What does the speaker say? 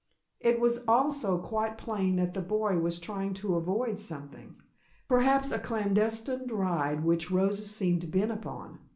It was also quite plain that the boy was trying to avoid something, perhaps a clandestined ride which Rosa seemed bent upon.